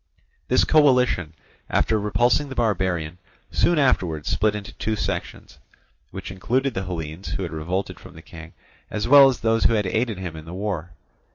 This coalition, after repulsing the barbarian, soon afterwards split into two sections, which included the Hellenes who had revolted from the King, as well as those who had aided him in the war.